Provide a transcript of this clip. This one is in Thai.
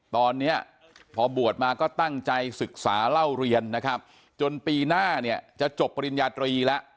ตอนนี้พอบวชมาก็ตั้งใจศึกษาเล่าเรียนนะครับจนปีหน้าเนี่ยจะจบปริญญาตรีแล้ว